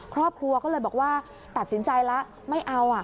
ครอบครัวก็เลยบอกว่าตัดสินใจแล้วไม่เอา